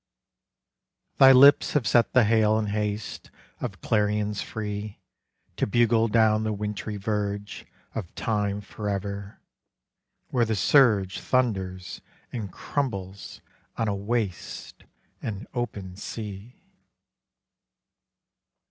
Thy lips have set the hail and haste Of clarions free To bugle down the wintry verge Of time forever, where the surge Thunders and crumbles on a waste And open sea.